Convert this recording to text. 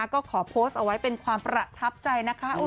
ก็ขอโพสต์เอาไว้เป็นความประทับใจนะคะ